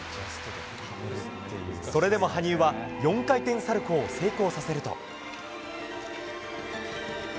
それでも羽生は４回転サルコウを成功させると。